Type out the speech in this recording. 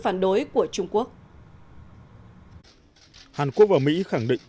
hàn quốc và mỹ khẳng định